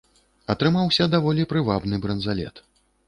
Атрымаўся даволі прывабны бранзалет.